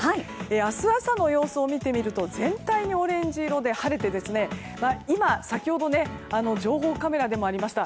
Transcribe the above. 明日朝の様子は全体にオレンジ色で先ほど情報カメラでもありました